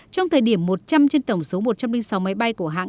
trong thời điểm một trăm linh trên tổng số một trăm linh sáu máy bay của hãng